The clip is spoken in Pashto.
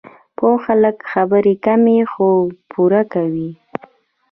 پوه خلک خبرې کمې، خو پوره کوي.